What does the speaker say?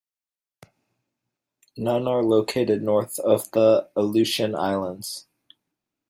None are located north of the Aleutian Islands.